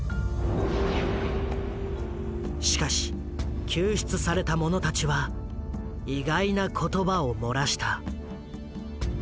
しかし救出された者たちは意外な言葉を漏らした。